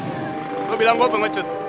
dia bilang gue pengecut